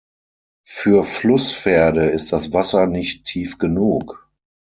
Für Flusspferde ist das Wasser nicht tief genug.